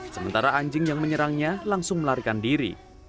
sementara anjing yang menyerangnya langsung melarikan diri